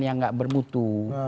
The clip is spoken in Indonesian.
yang nggak bermutu